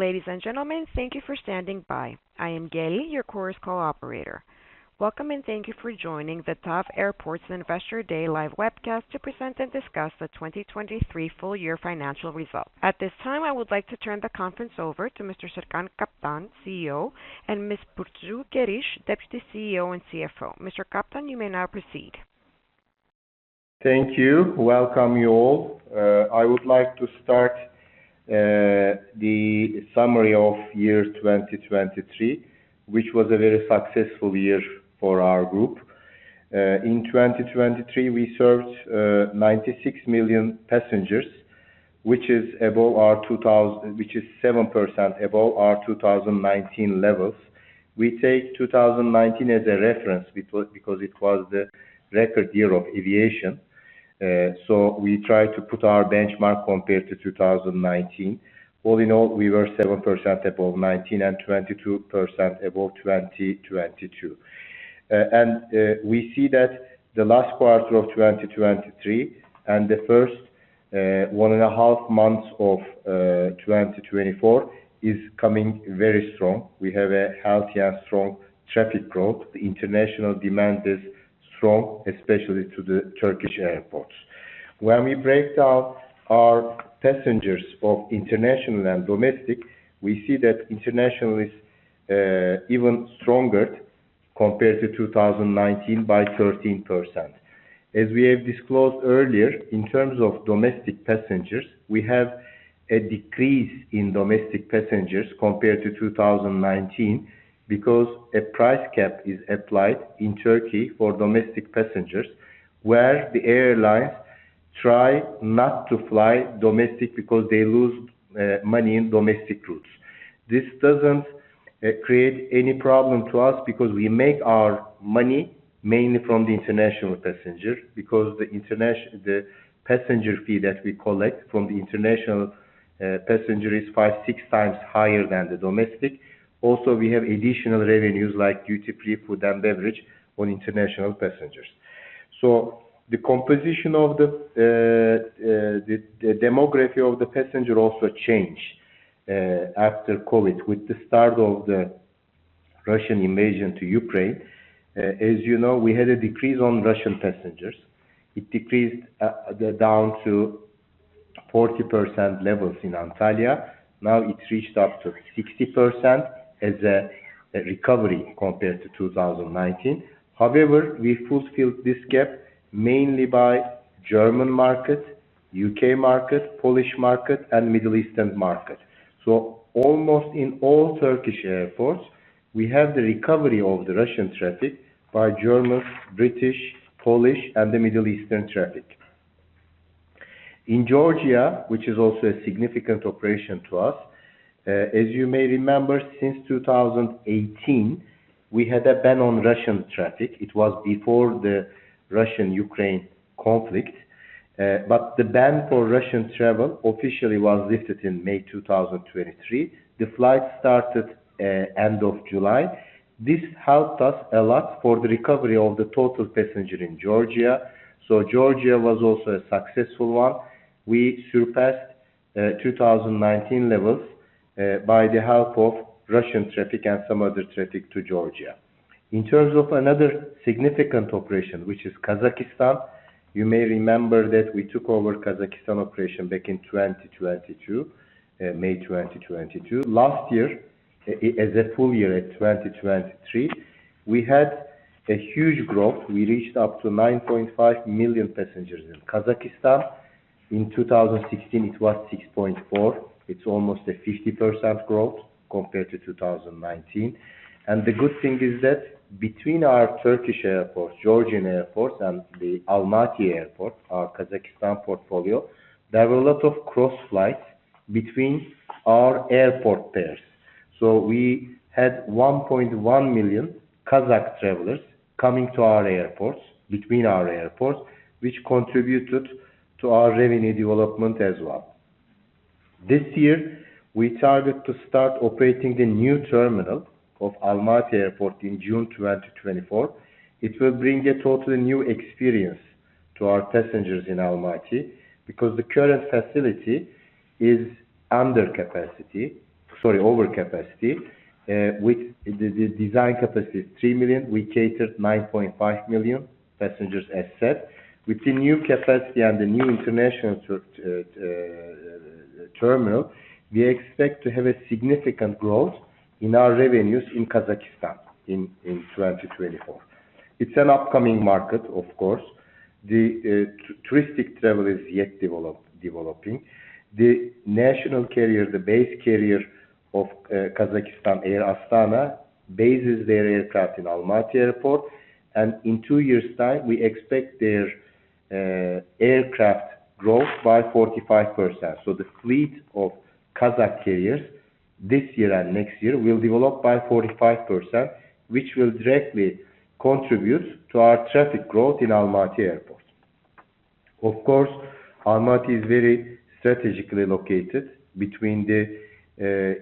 Ladies and gentlemen, thank you for standing by. I am Gaylee, your conference call operator. Welcome, and thank you for joining the TAV Airports Investor Day live webcast to present and discuss the 2023 full-year financial results. At this time, I would like to turn the conference over to Mr. Serkan Kaptan, CEO, and Ms. Burcu Geriş, Deputy CEO and CFO. Mr. Kaptan, you may now proceed. Thank you. Welcome you all. I would like to start the summary of year 2023, which was a very successful year for our group. In 2023 we served 96 million passengers, which is above our target which is 7% above our 2019 levels. We take 2019 as a reference because it was the record year of aviation, so we try to put our benchmark compared to 2019. All in all, we were 7% above 2019 and 22% above 2022. We see that the last quarter of 2023 and the first one and a half months of 2024 is coming very strong. We have a healthy and strong traffic growth. The international demand is strong, especially to the Turkish airports. When we break down our passengers of international and domestic, we see that international is even stronger compared to 2019 by 13%. As we have disclosed earlier, in terms of domestic passengers, we have a decrease in domestic passengers compared to 2019 because a price cap is applied in Turkey for domestic passengers, where the airlines try not to fly domestic because they lose money in domestic routes. This doesn't create any problem to us because we make our money mainly from the international passenger, because the international passenger fee that we collect from the international passenger is 5-6 times higher than the domestic. Also, we have additional revenues like duty-free food and beverage on international passengers. So the composition of the demography of the passenger also changed after COVID. With the start of the Russian invasion to Ukraine, as you know, we had a decrease on Russian passengers. It decreased down to 40% levels in Antalya. Now it reached up to 60% as a recovery compared to 2019. However, we fulfilled this gap mainly by German market, UK market, Polish market, and Middle Eastern market. So almost in all Turkish airports, we have the recovery of the Russian traffic by German, British, Polish, and the Middle Eastern traffic. In Georgia, which is also a significant operation to us, as you may remember, since 2018 we had a ban on Russian traffic. It was before the Russian-Ukraine conflict, but the ban for Russian travel officially was lifted in May 2023. The flights started, end of July. This helped us a lot for the recovery of the total passenger in Georgia, so Georgia was also a successful one. We surpassed, 2019 levels, by the help of Russian traffic and some other traffic to Georgia. In terms of another significant operation, which is Kazakhstan, you may remember that we took over Kazakhstan operation back in 2022, May 2022. Last year, as a full year at 2023, we had a huge growth. We reached up to 9.5 million passengers in Kazakhstan. In 2016 it was 6.4. It's almost a 50% growth compared to 2019. And the good thing is that between our Turkish airports, Georgian airports, and the Almaty airport, our Kazakhstan portfolio, there were a lot of cross-flights between our airport pairs. So we had 1.1 million Kazakh travelers coming to our airports, between our airports, which contributed to our revenue development as well. This year we target to start operating the new terminal of Almaty airport in June 2024. It will bring a totally new experience to our passengers in Almaty because the current facility is under capacity, sorry, over capacity. With the design capacity is 3 million, we catered 9.5 million passengers as set. With the new capacity and the new international terminal, we expect to have a significant growth in our revenues in Kazakhstan in 2024. It's an upcoming market, of course. The touristic travel is yet developing. The national carrier, the base carrier of Kazakhstan, Air Astana, bases their aircraft in Almaty airport, and in two years' time we expect their aircraft growth by 45%. So the fleet of Kazakh carriers this year and next year will develop by 45%, which will directly contribute to our traffic growth in Almaty airport. Of course, Almaty is very strategically located between the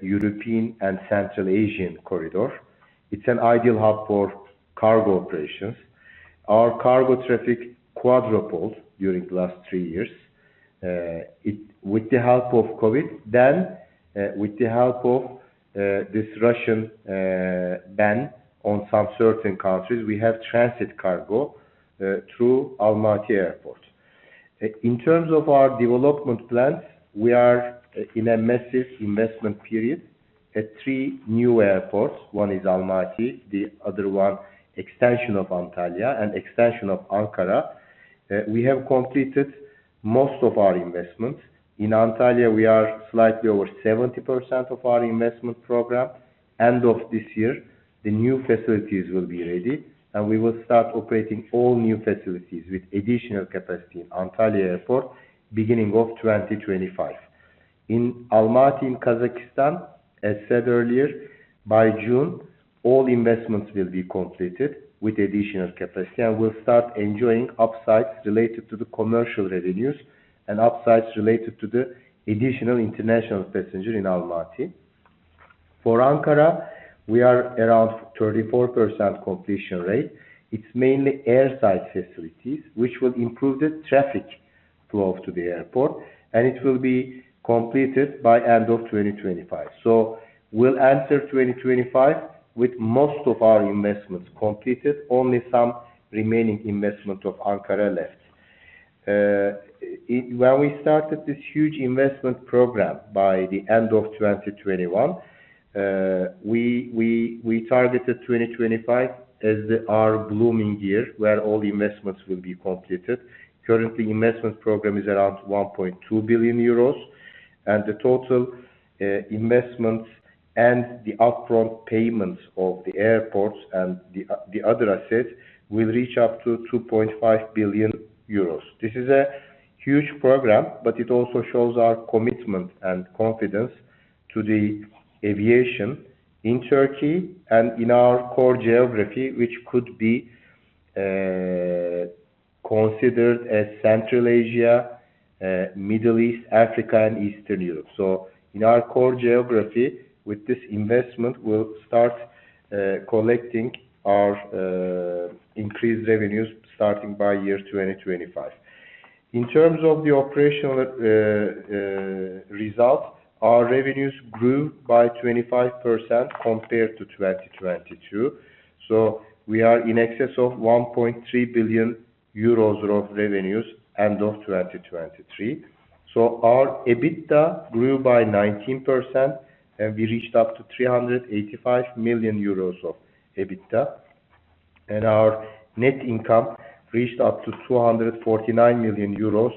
European and Central Asian corridor. It's an ideal hub for cargo operations. Our cargo traffic quadrupled during the last three years. It with the help of COVID, then with the help of this Russian ban on some certain countries, we have transit cargo through Almaty airport. In terms of our development plans, we are in a massive investment period at three new airports. One is Almaty, the other one extension of Antalya, and extension of Ankara. We have completed most of our investments. In Antalya we are slightly over 70% of our investment program. End of this year the new facilities will be ready, and we will start operating all new facilities with additional capacity in Antalya Airport beginning of 2025. In Almaty in Kazakhstan, as said earlier, by June all investments will be completed with additional capacity, and we'll start enjoying upsides related to the commercial revenues and upsides related to the additional international passenger in Almaty. For Ankara we are around 34% completion rate. It's mainly airside facilities, which will improve the traffic flow to the airport, and it will be completed by end of 2025. So we'll enter 2025 with most of our investments completed, only some remaining investment of Ankara left. When we started this huge investment program by the end of 2021, we targeted 2025 as our blooming year where all investments will be completed. Currently investment program is around 1.2 billion euros, and the total investments and the upfront payments of the airports and the other assets will reach up to 2.5 billion euros. This is a huge program, but it also shows our commitment and confidence to the aviation in Turkey and in our core geography, which could be considered as Central Asia, Middle East, Africa, and Eastern Europe. So in our core geography, with this investment we'll start collecting our increased revenues starting by year 2025. In terms of the operational results, our revenues grew by 25% compared to 2022. So we are in excess of 1.3 billion euros of revenues end of 2023. So our EBITDA grew by 19%, and we reached up to 385 million euros of EBITDA. And our net income reached up to 249 million euros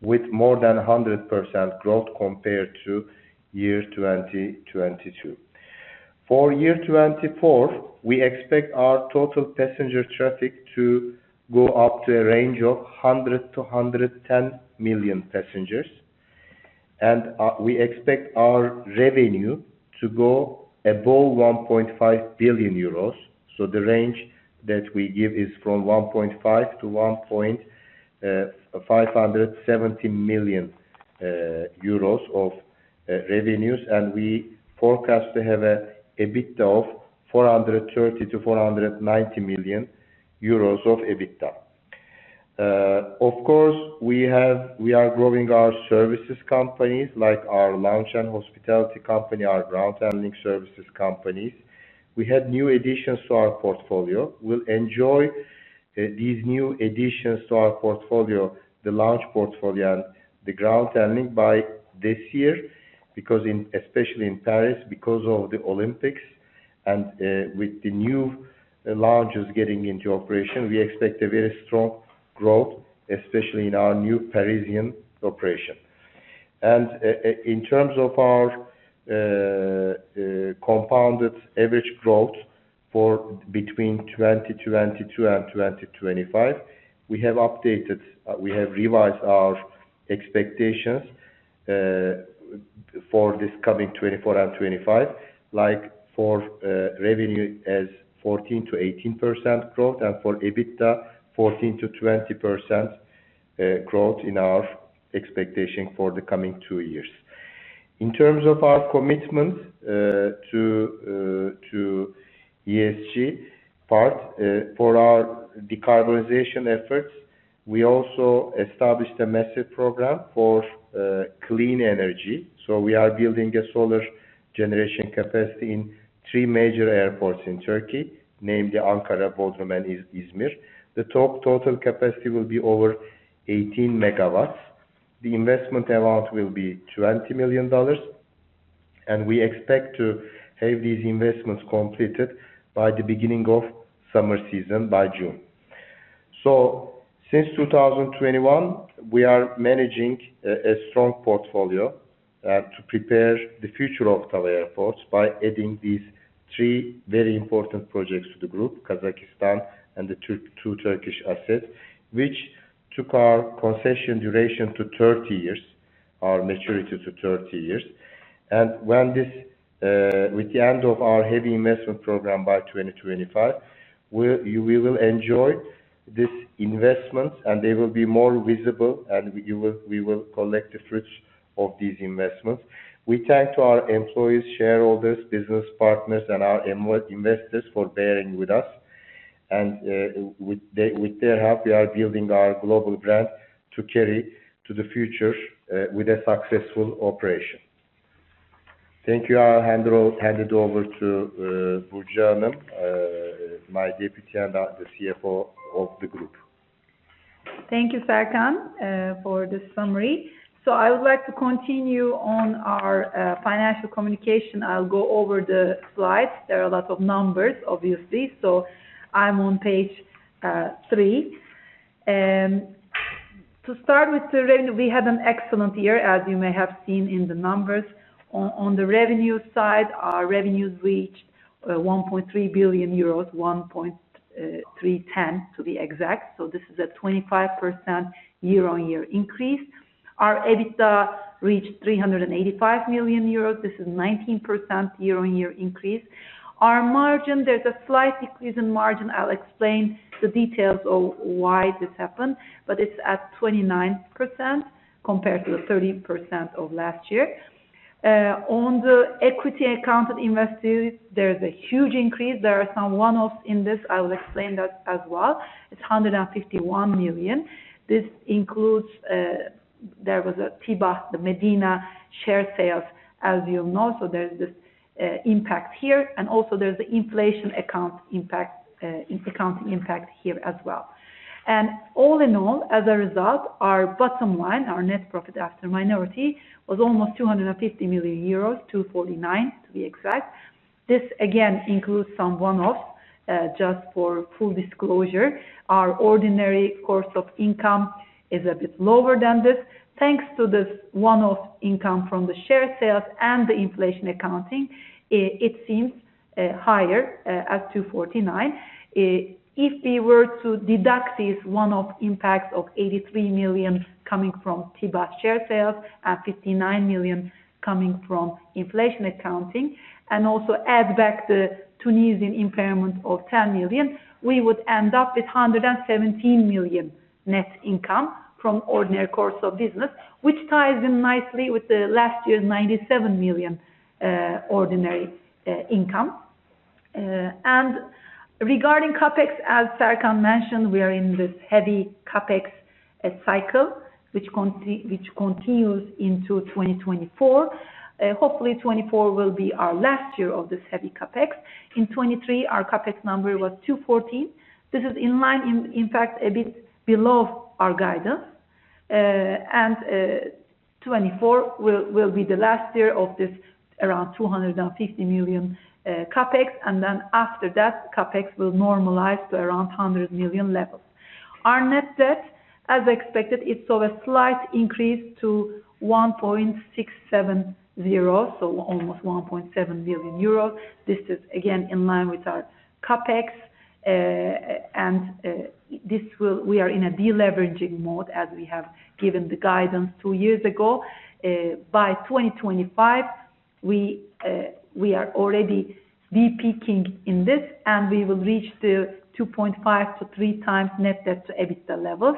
with more than 100% growth compared to year 2022. For year 2024 we expect our total passenger traffic to go up to a range of 100-110 million passengers, and we expect our revenue to go above 1.5 billion euros. So the range that we give is from 1.5 billion to 1.57 billion euros of revenues, and we forecast to have an EBITDA of 430-490 million euros of EBITDA. Of course we are growing our services companies like our lounge and hospitality company, our ground handling services companies. We had new additions to our portfolio. We'll enjoy these new additions to our portfolio, the lounge portfolio and the ground handling, by this year because, especially in Paris, because of the Olympics and with the new lounges getting into operation, we expect a very strong growth, especially in our new Parisian operation. In terms of our compounded average growth for between 2022 and 2025, we have updated we have revised our expectations for this coming 2024 and 2025, like for revenue as 14%-18% growth and for EBITDA 14%-20% growth in our expectation for the coming two years. In terms of our commitments to the ESG part, for our decarbonization efforts, we also established a massive program for clean energy. So we are building a solar generation capacity in three major airports in Turkey, namely Ankara, Bodrum, and Izmir. The total capacity will be over 18 MW. The investment amount will be $20 million, and we expect to have these investments completed by the beginning of summer season, by June. Since 2021 we are managing a strong portfolio, to prepare the future of TAV airports by adding these three very important projects to the group, Kazakhstan and the two Turkish assets, which took our concession duration to 30 years, our maturity to 30 years. When this with the end of our heavy investment program by 2025, we'll enjoy these investments, and they will be more visible, and we will collect the fruits of these investments. We thank to our employees, shareholders, business partners, and our investors for bearing with us. With their help we are building our global brand to carry to the future, with a successful operation. Thank you. I'll hand it over to Burcu Geriş my deputy and the CFO of the group. Thank you, Serkan, for the summary. So I would like to continue on our financial communication. I'll go over the slides. There are a lot of numbers, obviously, so I'm on page three. To start with the revenue, we had an excellent year, as you may have seen in the numbers. On the revenue side, our revenues reached 1.3 billion euros, 1.310 billion to be exact. So this is a 25% year-on-year increase. Our EBITDA reached 385 million euros. This is a 19% year-on-year increase. Our margin, there's a slight decrease in margin. I'll explain the details of why this happened, but it's at 29% compared to the 30% of last year. On the equity-accounted investees, there's a huge increase. There are some one-offs in this. I will explain that as well. It's 151 million. This includes, there was a TIBA, the Medina share sales, as you know, so there's this impact here. Also there's the inflation accounting impact here as well. All in all, as a result, our bottom line, our net profit after minority, was almost 250 million euros, 249 million to be exact. This again includes some one-offs, just for full disclosure. Our ordinary course of income is a bit lower than this. Thanks to this one-off income from the share sales and the inflation accounting, it seems higher, at 249 million. If we were to deduct these one-off impacts of 83 million coming from Tibah share sales and 59 million coming from inflation accounting, and also add back the Tunisian impairment of 10 million, we would end up with 117 million net income from ordinary course of business, which ties in nicely with last year's 97 million ordinary income. Regarding CapEx, as Serkan mentioned, we are in this heavy CapEx cycle, which continues into 2024. Hopefully 2024 will be our last year of this heavy CapEx. In 2023 our CapEx number was 214 million. This is in line, in fact, a bit below our guidance. 2024 will be the last year of this around 250 million CapEx, and then after that CapEx will normalize to around 100 million levels. Our net debt, as expected, saw a slight increase to 1.670 billion, so almost 1.7 billion euros. This is again in line with our CapEx, and this will—we are in a deleveraging mode as we have given the guidance two years ago. By 2025 we, we are already de-peaking in this, and we will reach the 2.5-3 times net debt to EBITDA levels.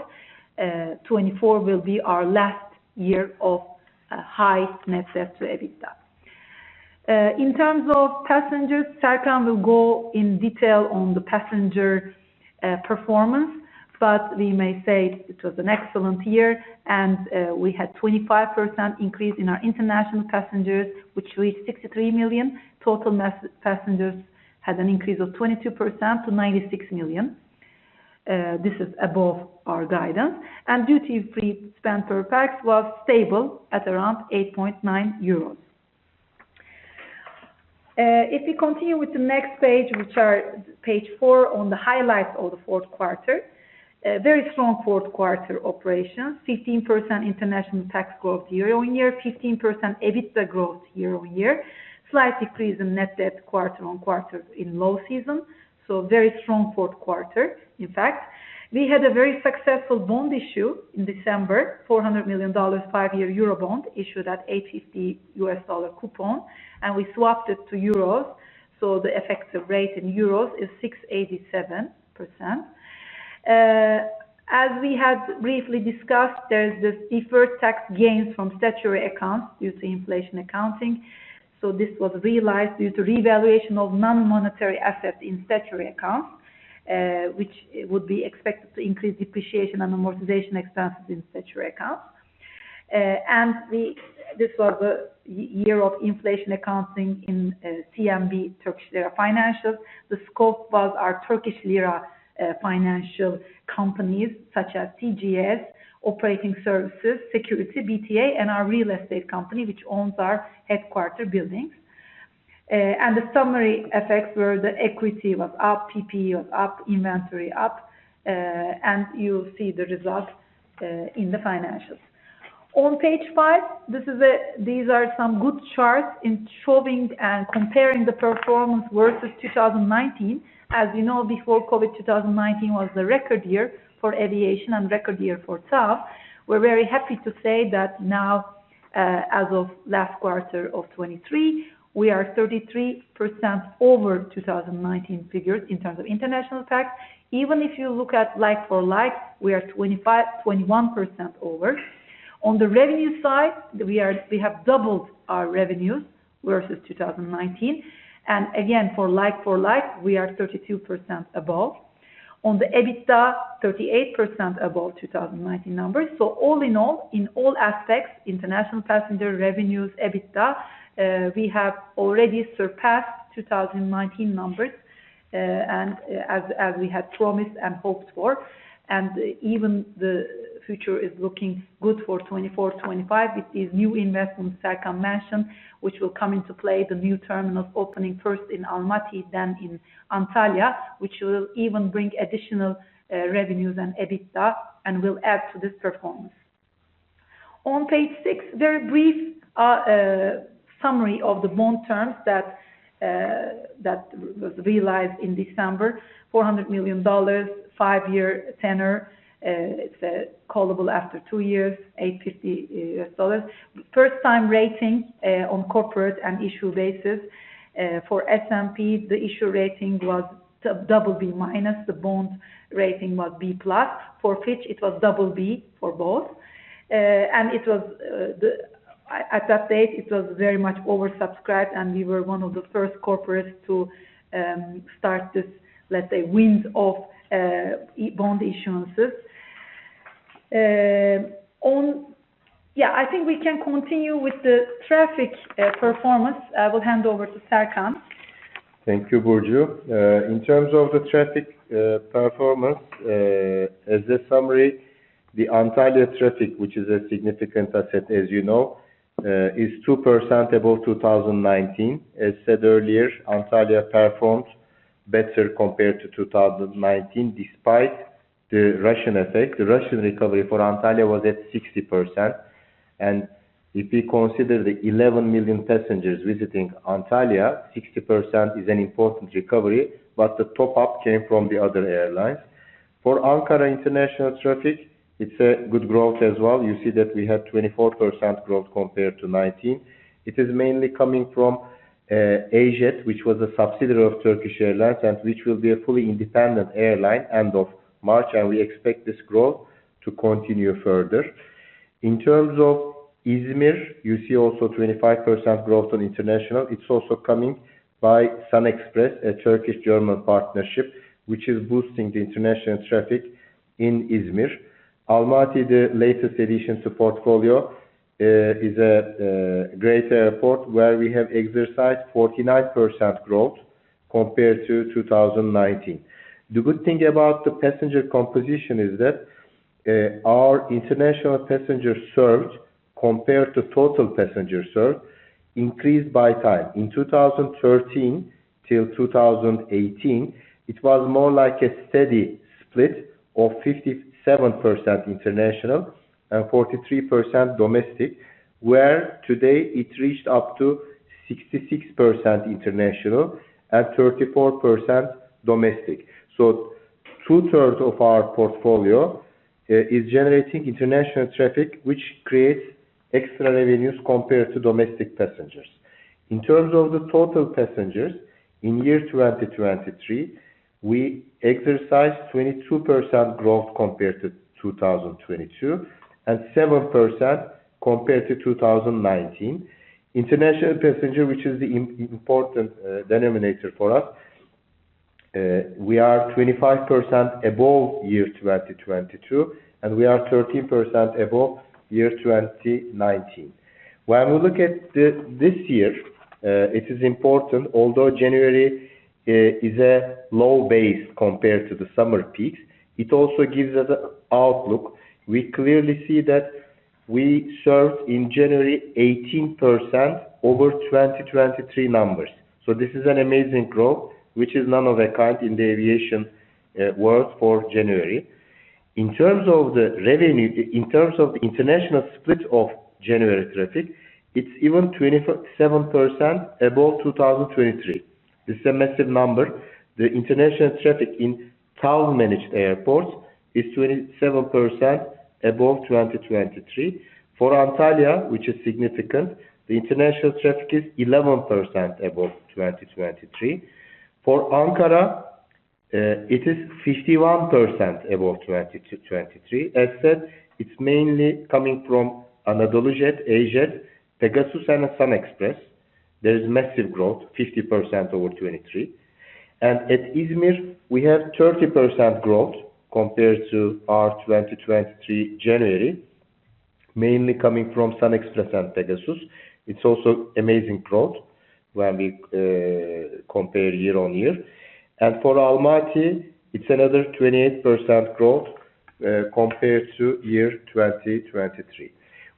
2024 will be our last year of high net debt to EBITDA. In terms of passengers, Serkan will go in detail on the passenger performance, but we may say it was an excellent year, and we had 25% increase in our international passengers, which reached 63 million. Total mass passengers had an increase of 22% to 96 million. This is above our guidance. Duty-free spend per pax was stable at around 8.9 euros. If we continue with the next page, which are page 4, on the highlights of the fourth quarter, very strong fourth quarter operations, 15% international pax growth year-on-year, 15% EBITDA growth year-on-year, slight decrease in net debt quarter-on-quarter in low season, so very strong fourth quarter, in fact. We had a very successful bond issue in December, $400 million 5-year eurobond issued at $8.50 USD coupon, and we swapped it to euros, so the effective rate in euros is 6.87%. As we had briefly discussed, there's this deferred tax gains from statutory accounts due to inflation accounting. So this was realized due to revaluation of non-monetary assets in statutory accounts, which would be expected to increase depreciation and amortization expenses in statutory accounts. And this was a year of inflation accounting in CMB Turkish Lira financials. The scope was our Turkish Lira financial companies such as TGS, operating services, security, BTA, and our real estate company, which owns our headquarters buildings. The summary effects were the equity was up, PPE was up, inventory up, and you'll see the result in the financials. On page five, these are some good charts in showing and comparing the performance versus 2019. As you know, before COVID 2019 was the record year for aviation and record year for TAV. We're very happy to say that now, as of last quarter of 2023, we are 33% over 2019 figures in terms of international PAX. Even if you look at like for like, we are 25-21% over. On the revenue side, we have doubled our revenues versus 2019, and again for like for like, we are 32% above. On the EBITDA, 38% above 2019 numbers. So all in all, in all aspects, international passenger revenues, EBITDA, we have already surpassed 2019 numbers, and, as, as we had promised and hoped for. And even the future is looking good for 2024, 2025 with these new investments Serkan mentioned, which will come into play, the new terminals opening first in Almaty, then in Antalya, which will even bring additional revenues and EBITDA and will add to this performance. On page six, very brief summary of the bond terms that was realized in December, $400 million, 5-year tenure, it's callable after two years, $8.50. First-time rating on corporate and issue basis. For S&P, the issue rating was double B minus, the bond rating was B plus. For Fitch it was double B for both. It was at that date it was very much oversubscribed, and we were one of the first corporates to start this, let's say, one-off bond issuances. Oh yeah, I think we can continue with the traffic performance. I will hand over to Serkan. Thank you, Burcu. In terms of the traffic, performance, as a summary, the Antalya traffic, which is a significant asset, as you know, is 2% above 2019. As said earlier, Antalya performed better compared to 2019 despite the Russian effect. The Russian recovery for Antalya was at 60%. If we consider the 11 million passengers visiting Antalya, 60% is an important recovery, but the top-up came from the other airlines. For Ankara international traffic, it's a good growth as well. You see that we had 24% growth compared to 2019. It is mainly coming from AJet, which was a subsidiary of Turkish Airlines and which will be a fully independent airline end of March, and we expect this growth to continue further. In terms of Izmir, you see also 25% growth on international. It's also coming by SunExpress, a Turkish-German partnership, which is boosting the international traffic in Izmir. Almaty, the latest addition to our portfolio, is a great airport where we have experienced 49% growth compared to 2019. The good thing about the passenger composition is that our international passengers served compared to total passengers served increased over time. In 2013 till 2018, it was more like a steady split of 57% international and 43% domestic, where today it reached up to 66% international and 34% domestic. So two-thirds of our portfolio is generating international traffic, which creates extra revenues compared to domestic passengers. In terms of the total passengers, in year 2023 we experienced 22% growth compared to 2022 and 7% compared to 2019. International passengers, which is the important denominator for us, we are 25% above year 2022, and we are 13% above year 2019. When we look at this year, it is important, although January is a low base compared to the summer peaks, it also gives us an outlook. We clearly see that we served in January 18% over 2023 numbers. So this is an amazing growth, which is one of a kind in the aviation world for January. In terms of the revenue in terms of the international split of January traffic, it's even 27% above 2023. This is a massive number. The international traffic in TAV managed airports is 27% above 2023. For Antalya, which is significant, the international traffic is 11% above 2023. For Ankara, it is 51% above 2023. As said, it's mainly coming from AnadoluJet, AJet, Pegasus, and SunExpress. There is massive growth, 50% over 2023. And at Izmir, we have 30% growth compared to our 2023 January, mainly coming from SunExpress and Pegasus. It's also amazing growth when we compare year-on-year. For Almaty, it's another 28% growth, compared to 2023.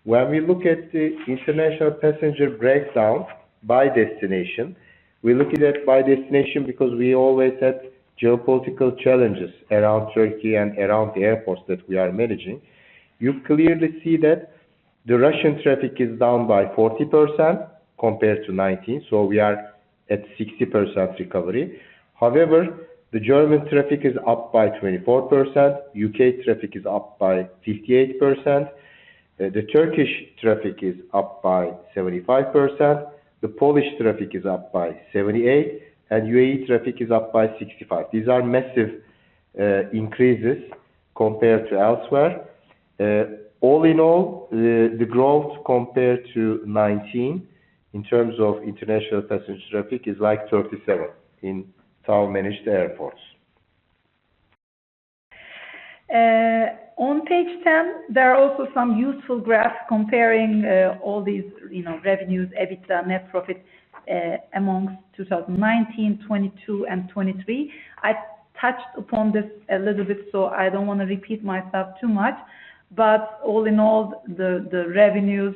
When we look at the international passenger breakdown by destination, we look at that by destination because we always had geopolitical challenges around Turkey and around the airports that we are managing, you clearly see that the Russian traffic is down by 40% compared to 2019, so we are at 60% recovery. However, the German traffic is up by 24%, UK traffic is up by 58%, the Turkish traffic is up by 75%, the Polish traffic is up by 78%, and UAE traffic is up by 65%. These are massive increases compared to elsewhere. All in all, the growth compared to 2019 in terms of international passenger traffic is like 37% in TAV managed airports. On page 10 there are also some useful graphs comparing all these, you know, revenues, EBITDA, net profit, among 2019, 2022, and 2023. I touched upon this a little bit, so I don't want to repeat myself too much, but all in all, the revenues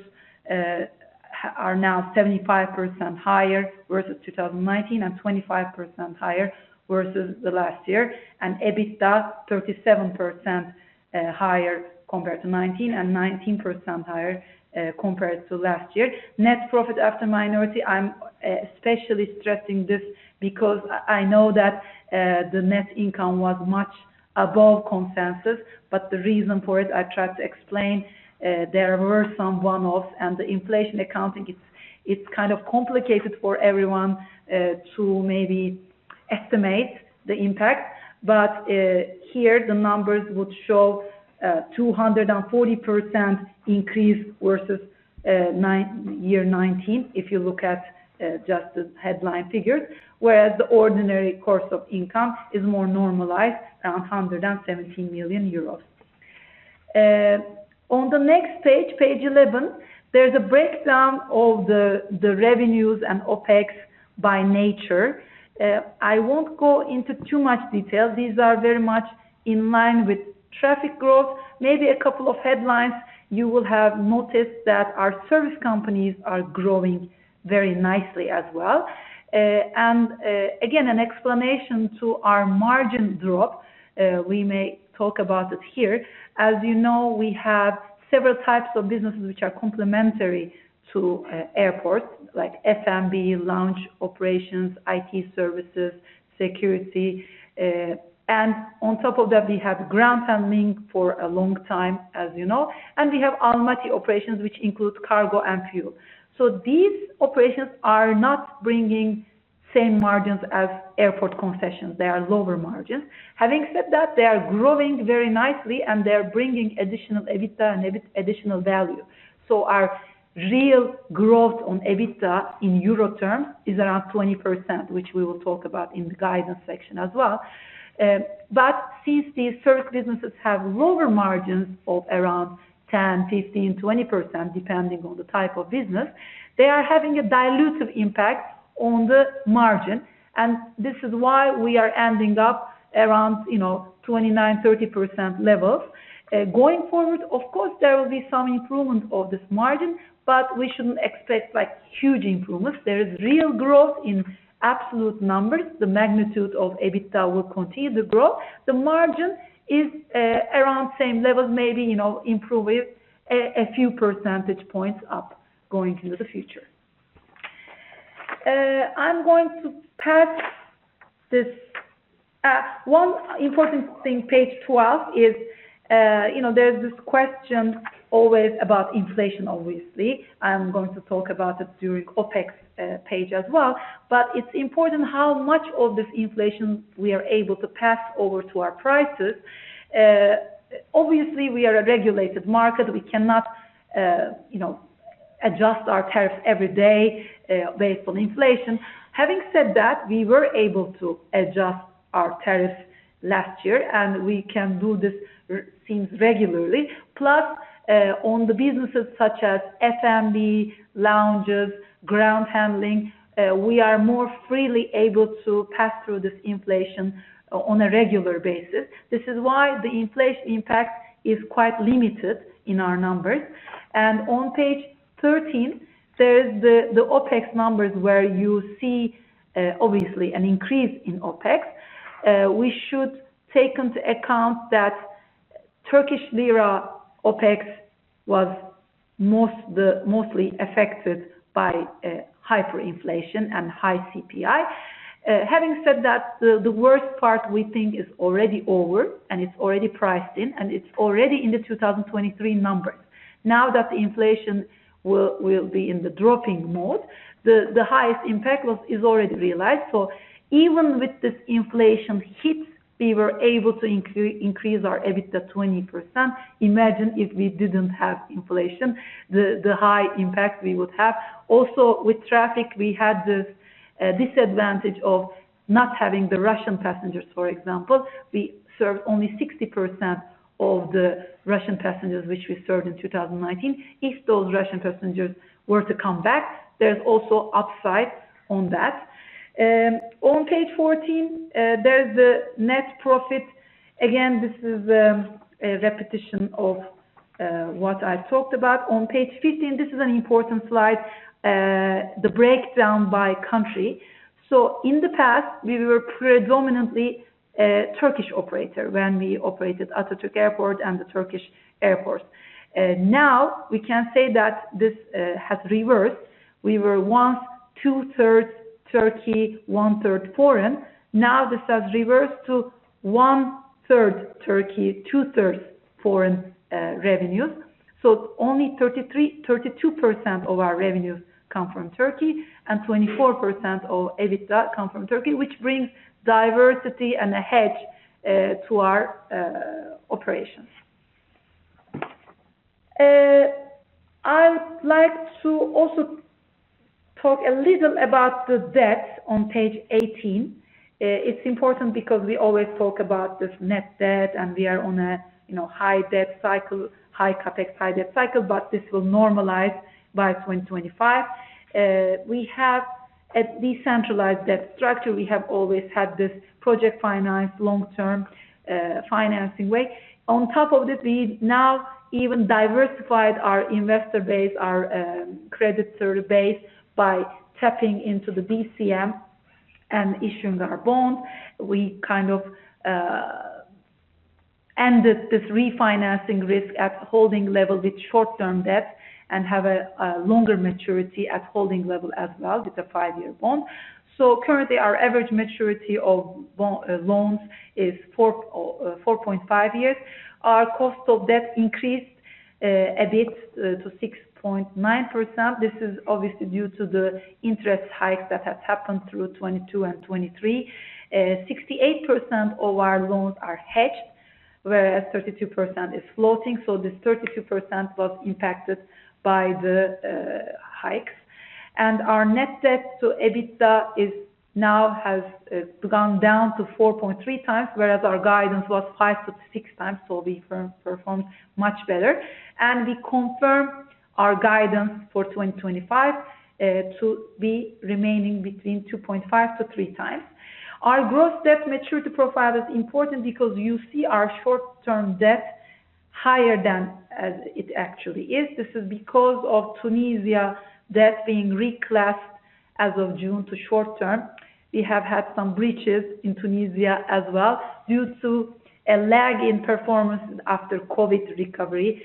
are now 75% higher versus 2019 and 25% higher versus the last year, and EBITDA 37% higher compared to 2019 and 19% higher compared to last year. Net profit after minority, I'm especially stressing this because I know that the net income was much above consensus, but the reason for it I tried to explain, there were some one-offs, and the inflation accounting, it's kind of complicated for everyone to maybe estimate the impact, but here the numbers would show 240% increase versus 2019 if you look at just the headline figures, whereas the ordinary course of income is more normalized around 117 million euros. On the next page, page 11, there's a breakdown of the revenues and OpEx by nature. I won't go into too much detail. These are very much in line with traffic growth. Maybe a couple of headlines you will have noticed that our service companies are growing very nicely as well. Again, an explanation to our margin drop, we may talk about it here. As you know, we have several types of businesses which are complementary to airports, like F&B, lounge operations, IT services, security, and on top of that we have ground handling for a long time, as you know, and we have Almaty operations which include cargo and fuel. So these operations are not bringing same margins as airport concessions. They are lower margins. Having said that, they are growing very nicely, and they are bringing additional EBITDA and EBIT additional value. So our real growth on EBITDA in euro terms is around 20%, which we will talk about in the guidance section as well. But since these Turkish businesses have lower margins of around 10%, 15%, 20% depending on the type of business, they are having a dilutive impact on the margin, and this is why we are ending up around, you know, 29%-30% levels. Going forward, of course, there will be some improvement of this margin, but we shouldn't expect, like, huge improvements. There is real growth in absolute numbers. The magnitude of EBITDA will continue to grow. The margin is around same levels, maybe, you know, improve with a few percentage points up going into the future. I'm going to pass this one important thing, page 12 is, you know, there's this question always about inflation, obviously. I'm going to talk about it during OpEx page as well, but it's important how much of this inflation we are able to pass over to our prices. Obviously, we are a regulated market. We cannot, you know, adjust our tariffs every day, based on inflation. Having said that, we were able to adjust our tariffs last year, and we can do this regularly. Plus, on the businesses such as F&B, lounges, ground handling, we are more freely able to pass through this inflation, on a regular basis. This is why the inflation impact is quite limited in our numbers. And on page 13, there's the OpEx numbers where you see, obviously, an increase in OpEx. We should take into account that Turkish lira OpEx was mostly affected by hyperinflation and high CPI. Having said that, the worst part we think is already over, and it's already priced in, and it's already in the 2023 numbers. Now that the inflation will be in the dropping mode, the highest impact was already realized. So even with this inflation hit, we were able to increase our EBITDA 20%. Imagine if we didn't have inflation, the high impact we would have. Also, with traffic, we had this disadvantage of not having the Russian passengers, for example. We served only 60% of the Russian passengers which we served in 2019. If those Russian passengers were to come back, there's also upside on that. On page 14, there's the net profit. Again, this is a repetition of what I talked about. On page 15, this is an important slide, the breakdown by country. So in the past, we were predominantly a Turkish operator when we operated Atatürk Airport and the Turkish airports. Now we can say that this has reversed. We were once 2/3 Turkey, 1/3 foreign. Now this has reversed to 1/3 Turkey, 2/3 foreign revenues. So only 33, 32% of our revenues come from Turkey, and 24% of EBITDA come from Turkey, which brings diversity and a hedge to our operations. I would like to also talk a little about the debt on page 18. It's important because we always talk about this net debt, and we are on a, you know, high debt cycle, high CapEx, high debt cycle, but this will normalize by 2025. We have a decentralized debt structure. We have always had this project-financed, long-term, financing way. On top of this, we now even diversified our investor base, our, creditor base by tapping into the DCM and issuing our bonds. We kind of, ended this refinancing risk at holding level with short-term debt and have a, a longer maturity at holding level as well with a 5-year bond. So currently, our average maturity of bond, loans is 4.0, 4.5 years. Our cost of debt increased, a bit, to 6.9%. This is obviously due to the interest hikes that have happened through 2022 and 2023. 68% of our loans are hedged, whereas 32% is floating. So this 32% was impacted by the hikes. And our net debt to EBITDA has now gone down to 4.3 times, whereas our guidance was 5-6 times, so we performed much better. And we confirm our guidance for 2025 to be remaining between 2.5-3 times. Our gross debt maturity profile is important because you see our short-term debt higher than it actually is. This is because of Tunisia debt being reclassed as of June to short-term. We have had some breaches in Tunisia as well due to a lag in performance after COVID recovery.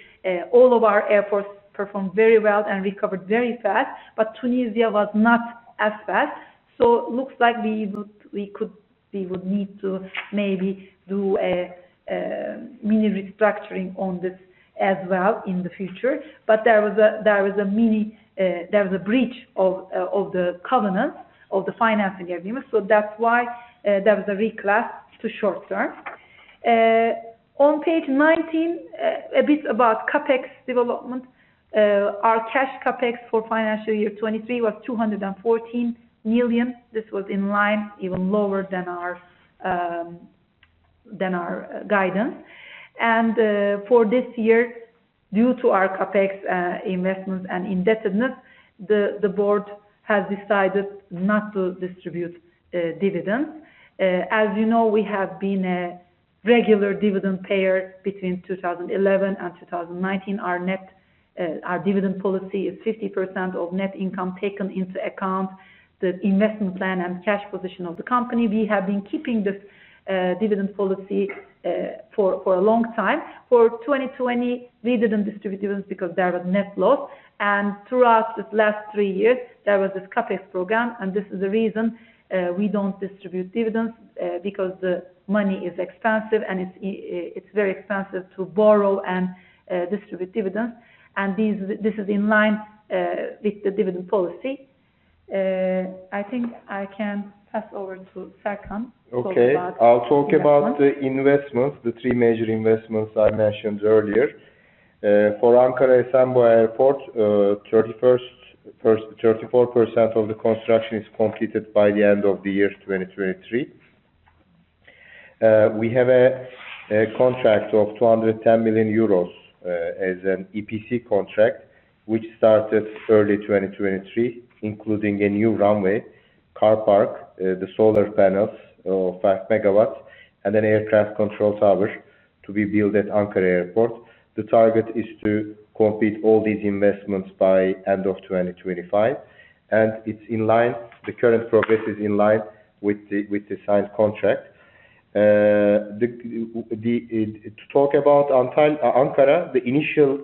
All of our airports performed very well and recovered very fast, but Tunisia was not as fast. So looks like we would need to maybe do a mini restructuring on this as well in the future. But there was a mini breach of the covenants of the financing agreement, so that's why there was a reclass to short-term. On page 19, a bit about CapEx development. Our cash CapEx for financial year 2023 was 214 million. This was in line, even lower than our guidance. For this year, due to our CapEx investments and indebtedness, the board has decided not to distribute dividends. As you know, we have been a regular dividend payer between 2011 and 2019. Our dividend policy is 50% of net income taken into account the investment plan and cash position of the company. We have been keeping this dividend policy for a long time. For 2020, we didn't distribute dividends because there was net loss. Throughout this last three years, there was this CapEx program, and this is the reason we don't distribute dividends, because the money is expensive, and it's, it's very expensive to borrow and distribute dividends. And this is in line with the dividend policy. I think I can pass over to Serkan. Okay. I'll talk about the investments, the three major investments I mentioned earlier. For Ankara Esenboğa Airport, 34% of the construction is completed by the end of the year 2023. We have a contract of 210 million euros, as an EPC contract which started early 2023, including a new runway, car park, the solar panels of 5 MW, and an aircraft control tower to be built at Ankara Airport. The target is to complete all these investments by end of 2025, and it's in line, the current progress is in line with the signed contract. To talk about Antalya, the initial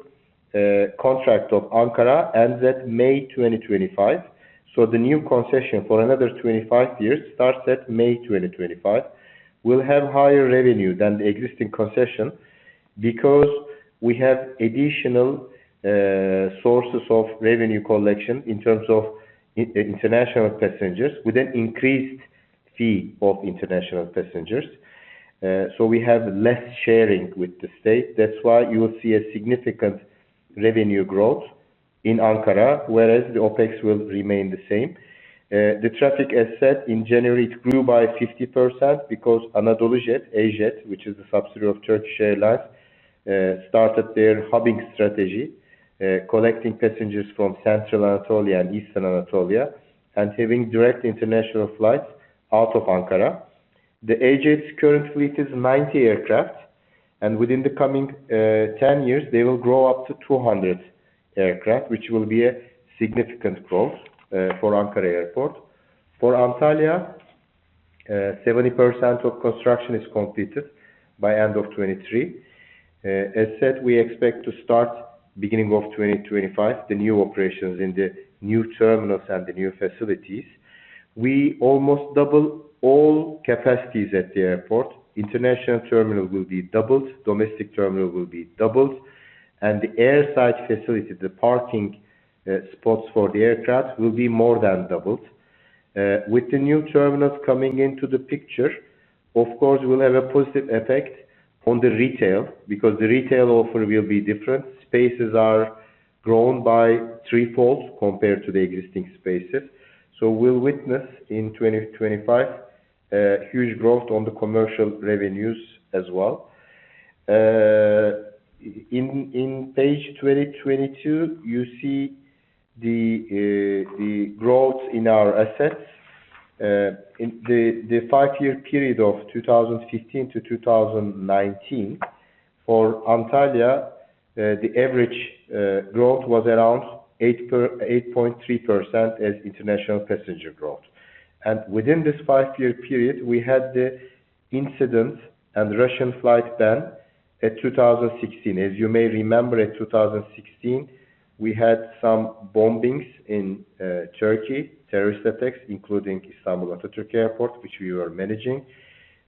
contract of Ankara ends at May 2025, so the new concession for another 25 years starts at May 2025. We'll have higher revenue than the existing concession because we have additional sources of revenue collection in terms of international passengers with an increased fee of international passengers. So we have less sharing with the state. That's why you will see a significant revenue growth in Ankara, whereas the OpEx will remain the same. The traffic, as said, in January, it grew by 50% because AnadoluJet, AJet, which is the subsidiary of Turkish Airlines, started their hubbing strategy, collecting passengers from Central Anatolia and Eastern Anatolia and having direct international flights out of Ankara. The AJet's current fleet is 90 aircraft, and within the coming 10 years, they will grow up to 200 aircraft, which will be a significant growth for Ankara Airport. For Antalya, 70% of construction is completed by end of 2023. As said, we expect to start beginning of 2025 the new operations in the new terminals and the new facilities. We almost double all capacities at the airport. International terminal will be doubled. Domestic terminal will be doubled. And the airside facility, the parking spots for the aircraft, will be more than doubled. With the new terminals coming into the picture, of course, we'll have a positive effect on the retail because the retail offer will be different. Spaces are grown by threefold compared to the existing spaces. So we'll witness in 2025 huge growth on the commercial revenues as well. In page 22, you see the growth in our assets. In the five-year period of 2015 to 2019, for Antalya, the average growth was around 8%-8.3% as international passenger growth. Within this five-year period, we had the incident and Russian flight ban at 2016. As you may remember, at 2016, we had some bombings in Turkey, terrorist attacks, including Istanbul Atatürk Airport, which we were managing.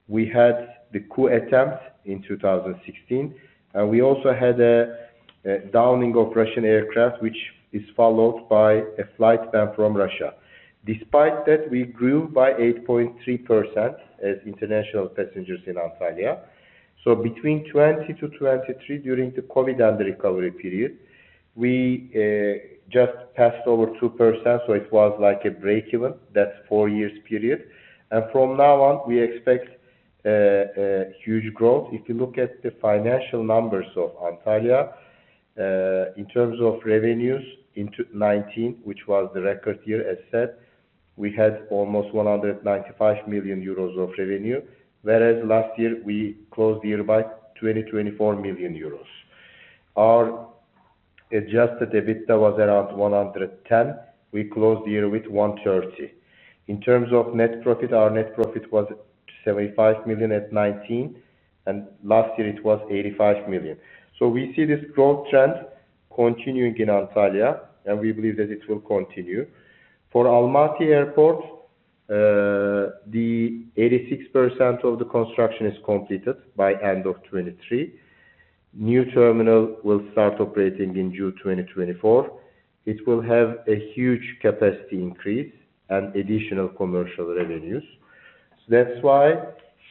We had the coup attempt in 2016, and we also had a downing of Russian aircraft, which is followed by a flight ban from Russia. Despite that, we grew by 8.3% as international passengers in Antalya. So between 2020 to 2023, during the COVID and the recovery period, we just passed over 2%, so it was like a breakeven. That's four years' period. And from now on, we expect huge growth. If you look at the financial numbers of Antalya, in terms of revenues in 2019, which was the record year, as said, we had almost 195 million euros of revenue, whereas last year, we closed the year by 2024 million euros. Our adjusted EBITDA was around 110 million. We closed the year with 130 million. In terms of net profit, our net profit was 75 million in 2019, and last year, it was 85 million. So we see this growth trend continuing in Antalya, and we believe that it will continue. For Almaty Airport, 86% of the construction is completed by end of 2023. New terminal will start operating in June 2024. It will have a huge capacity increase and additional commercial revenues. So that's why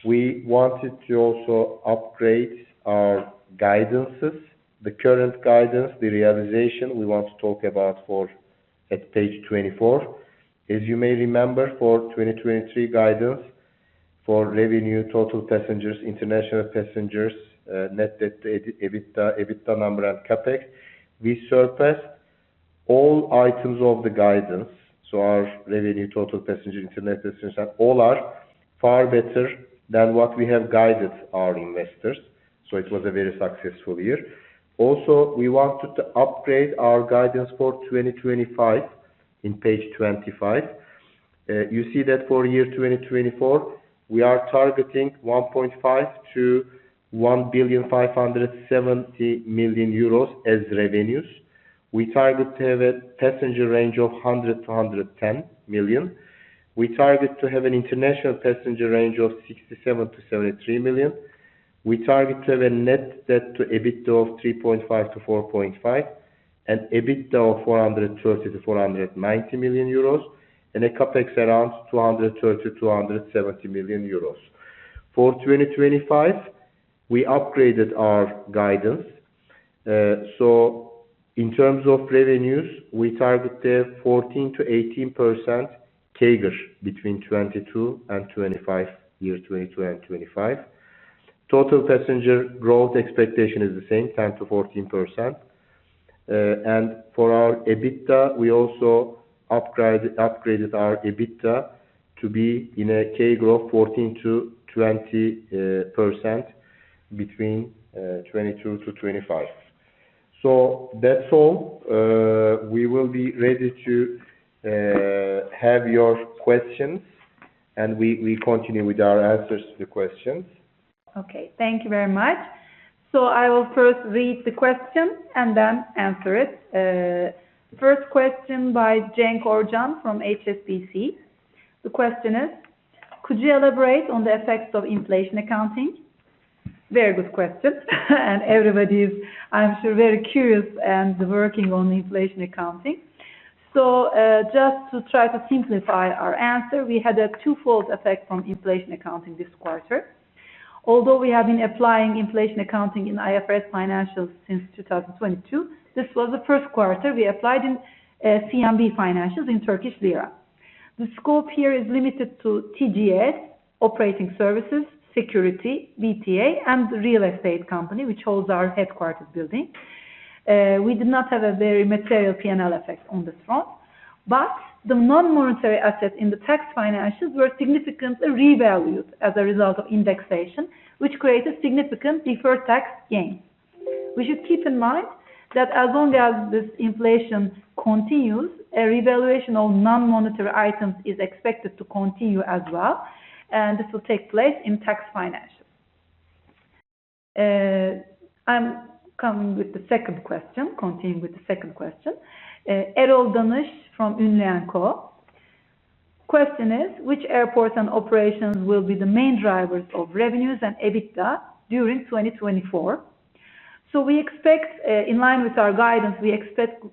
we wanted to also upgrade our guidances, the current guidance, the realization we want to talk about for at page 24. As you may remember, for 2023 guidance, for revenue total passengers, international passengers, net debt, EBITDA, EBITDA number, and CapEx, we surpassed all items of the guidance. So our revenue total passenger, international passengers, all are far better than what we have guided our investors, so it was a very successful year. Also, we wanted to upgrade our guidance for 2025 in page 25. You see that for year 2024, we are targeting 1.5 billion-1.57 billion euros as revenues. We target to have a passenger range of 100-110 million. We target to have an international passenger range of 67-73 million. We target to have a net debt to EBITDA of 3.5-4.5 and EBITDA of 430 million-490 million euros and a CapEx around 230 million-270 million euros. For 2025, we upgraded our guidance. So in terms of revenues, we target there 14%-18% CAGR between 2022 and 2025, year 2022 and 2025. Total passenger growth expectation is the same, 10%-14%. For our EBITDA, we also upgraded our EBITDA to be in a CAGR of 14%-20% between 2022 to 2025. So that's all. We will be ready to have your questions, and we continue with our answers to the questions. Okay. Thank you very much. So I will first read the question and then answer it. First question by Cenk Orcan from HSBC. The question is, "Could you elaborate on the effects of inflation accounting?" Very good question. And everybody is, I'm sure, very curious and working on inflation accounting. So, just to try to simplify our answer, we had a twofold effect from inflation accounting this quarter. Although we have been applying inflation accounting in IFRS financials since 2022, this was the first quarter we applied in, CMB financials in Turkish lira. The scope here is limited to TGS, operating services, security, BTA, and the real estate company, which holds our headquarters building. We did not have a very material P&L effect on this front, but the non-monetary assets in the tax financials were significantly revalued as a result of indexation, which created significant deferred tax gain. We should keep in mind that as long as this inflation continues, a revaluation of non-monetary items is expected to continue as well, and this will take place in tax financials. I'm coming with the second question, continuing with the second question. Erol Danış from Ünlü & Co. Question is, "Which airports and operations will be the main drivers of revenues and EBITDA during 2024?" So we expect, in line with our guidance, we expect,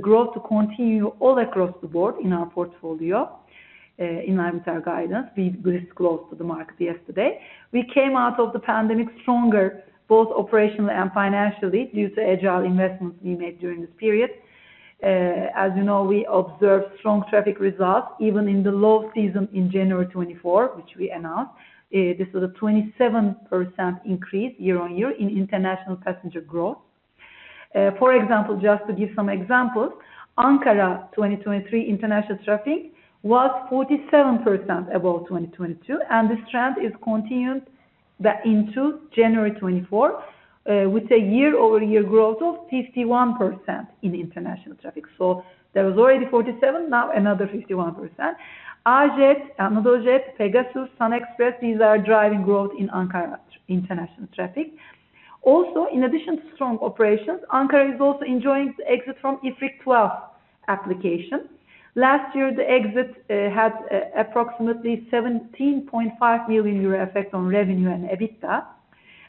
growth to continue all across the board in our portfolio. In line with our guidance, we were close to the market yesterday. We came out of the pandemic stronger, both operationally and financially, due to agile investments we made during this period. As you know, we observed strong traffic results even in the low season in January 2024, which we announced. This was a 27% increase year-on-year in international passenger growth. For example, just to give some examples, Ankara 2023 international traffic was 47% above 2022, and this trend is continued into January 2024, with a year-over-year growth of 51% in international traffic. So there was already 47%, now another 51%. AJet, AnadoluJet, Pegasus, SunExpress, these are driving growth in Ankara international traffic. Also, in addition to strong operations, Ankara is also enjoying the exit from IFRIC 12 application. Last year, the exit had approximately 17.5 million euro effect on revenue and EBITDA.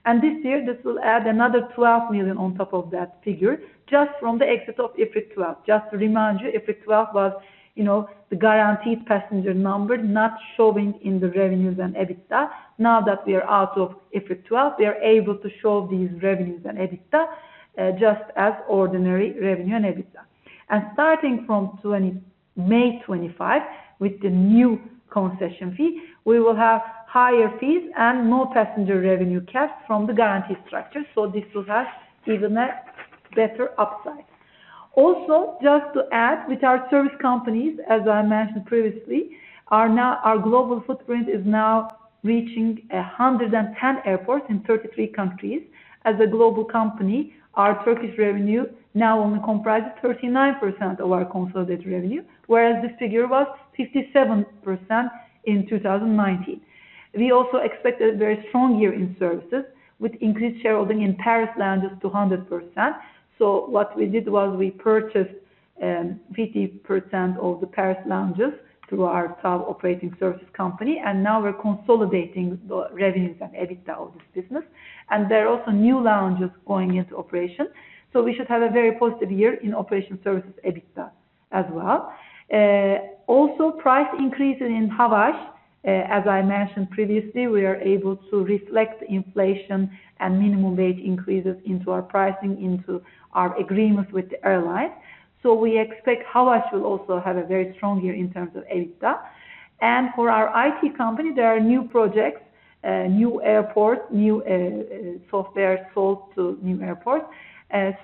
And this year, this will add another 12 million on top of that figure just from the exit of IFRIC 12. Just to remind you, IFRIC 12 was, you know, the guaranteed passenger number not showing in the revenues and EBITDA. Now that we are out of IFRIC 12, we are able to show these revenues and EBITDA, just as ordinary revenue and EBITDA. Starting from 20 May 2025, with the new concession fee, we will have higher fees and more passenger revenue caps from the guaranteed structure, so this will have even a better upside. Also, just to add, with our service companies, as I mentioned previously, our global footprint is reaching 110 airports in 33 countries. As a global company, our Turkish revenue now only comprises 39% of our consolidated revenue, whereas this figure was 57% in 2019. We also expect a very strong year in services with increased shareholding in Paris lounges to 100%. So what we did was we purchased 50% of the Paris lounges through our TAV Operation Services company, and now we're consolidating the revenues and EBITDA of this business. And there are also new lounges going into operation, so we should have a very positive year in Operation Services EBITDA as well. Also, price increases in Havaş. As I mentioned previously, we are able to reflect inflation and minimum wage increases into our pricing, into our agreements with the airlines. So we expect Havaş will also have a very strong year in terms of EBITDA. And for our IT company, there are new projects, new airports, new software sold to new airports.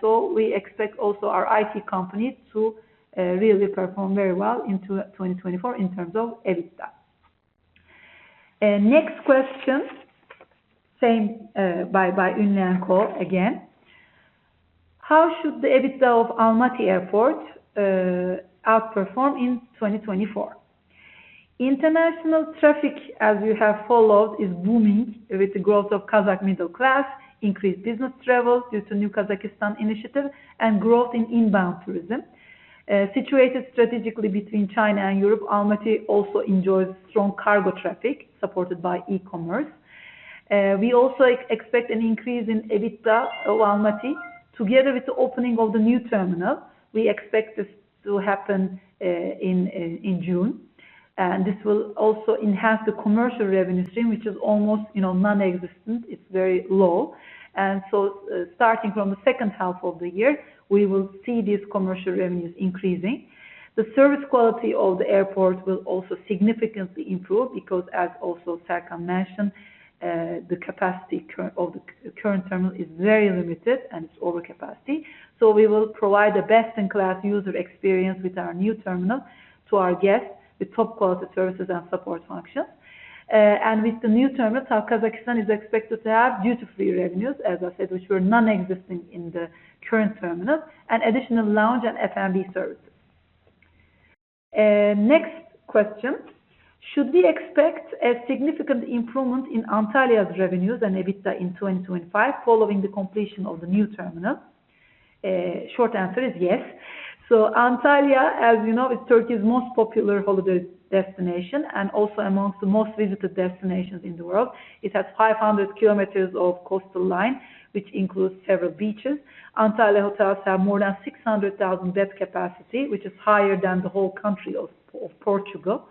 So we expect also our IT company to really perform very well in 2024 in terms of EBITDA. Next question, same, by Ünlü & Co again. How should the EBITDA of Almaty Airport outperform in 2024? International traffic, as you have followed, is booming with the growth of Kazakh middle class, increased business travel due to New Kazakhstan Initiative, and growth in inbound tourism. Situated strategically between China and Europe, Almaty also enjoys strong cargo traffic supported by e-commerce. We also expect an increase in EBITDA of Almaty together with the opening of the new terminal. We expect this to happen in June. And this will also enhance the commercial revenue stream, which is almost, you know, nonexistent. It's very low. And so, starting from the second half of the year, we will see these commercial revenues increasing. The service quality of the airport will also significantly improve because, as also Serkan mentioned, the current capacity of the current terminal is very limited and it's overcapacity. So we will provide the best-in-class user experience with our new terminal to our guests with top-quality services and support functions. And with the new terminal, TAV Kazakhstan is expected to have duty-free revenues, as I said, which were nonexistent in the current terminal, and additional lounge and F&B services. Next question. Should we expect a significant improvement in Antalya's revenues and EBITDA in 2025 following the completion of the new terminal? Short answer is yes. So Antalya, as you know, is Turkey's most popular holiday destination and also amongst the most visited destinations in the world. It has 500 km of coastal line, which includes several beaches. Antalya hotels have more than 600,000 bed capacity, which is higher than the whole country of Portugal.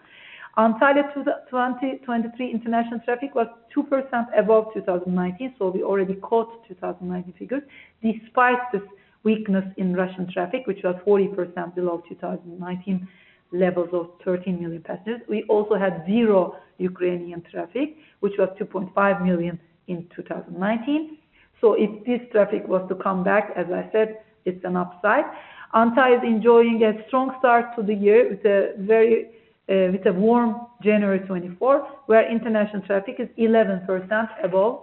Antalya 2023 international traffic was 2% above 2019, so we already caught 2019 figures despite this weakness in Russian traffic, which was 40% below 2019 levels of 13 million passengers. We also had zero Ukrainian traffic, which was 2.5 million in 2019. So if this traffic was to come back, as I said, it's an upside. Antalya is enjoying a strong start to the year with a warm January 2024, where international traffic is 11% above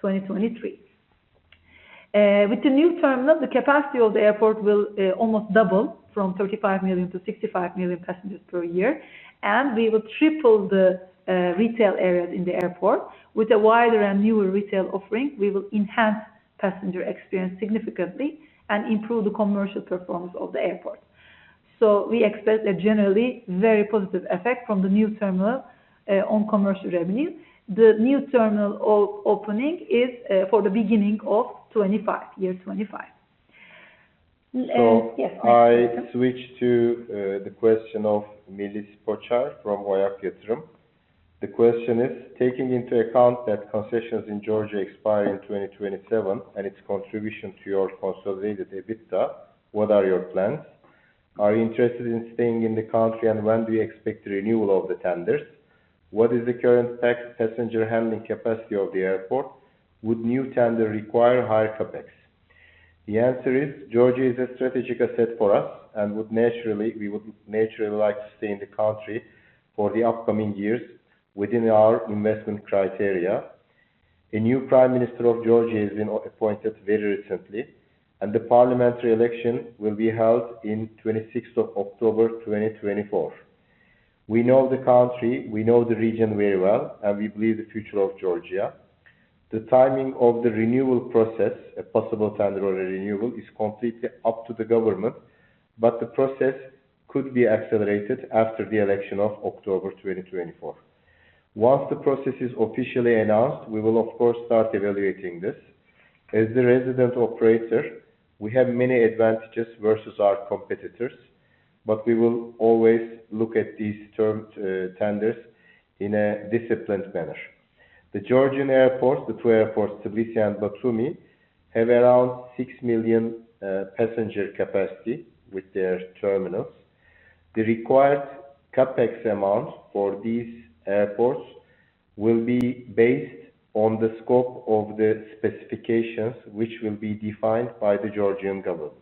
2023. With the new terminal, the capacity of the airport will almost double from 35 million to 65 million passengers per year. And we will triple the retail areas in the airport. With a wider and newer retail offering, we will enhance passenger experience significantly and improve the commercial performance of the airport. So we expect a generally very positive effect from the new terminal on commercial revenue. The new terminal opening is for the beginning of 2025, year 2025. Yes, next question. So I switch to the question of Melis Pocar from OYAK Yatırım. The question is, taking into account that concessions in Georgia expire in 2027 and its contribution to your consolidated EBITDA, what are your plans? Are you interested in staying in the country, and when do you expect the renewal of the tenders? What is the current passenger handling capacity of the airport? Would new tender require higher CapEx? The answer is, Georgia is a strategic asset for us, and we would naturally like to stay in the country for the upcoming years within our investment criteria. A new Prime Minister of Georgia has been appointed very recently, and the parliamentary election will be held on the 26th of October 2024. We know the country, we know the region very well, and we believe the future of Georgia. The timing of the renewal process, a possible tender or a renewal, is completely up to the government, but the process could be accelerated after the election of October 2024. Once the process is officially announced, we will, of course, start evaluating this. As the resident operator, we have many advantages versus our competitors, but we will always look at these terms, tenders in a disciplined manner. The Georgian airports, the two airports, Tbilisi and Batumi, have around 6 million passenger capacity with their terminals. The required CapEx amount for these airports will be based on the scope of the specifications, which will be defined by the Georgian government.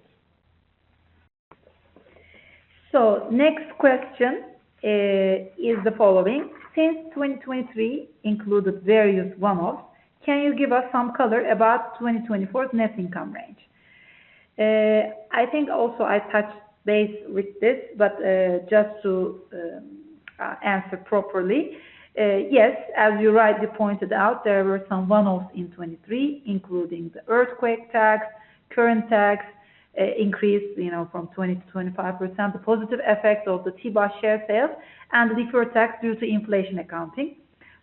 So next question is the following. Since 2023 included various one-offs, can you give us some color about 2024's net income range? I think also I touched base with this, but just to answer properly. Yes, as you rightly pointed out, there were some one-offs in 2023, including the earthquake tax, current tax increase, you know, from 20%-25%, the positive effect of the TBAS share sales, and deferred tax due to inflation accounting.